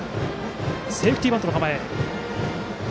セーフティーバントの構え。